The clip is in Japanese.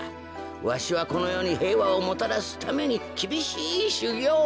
わしはこのよにへいわをもたらすためにきびしいしゅぎょうを。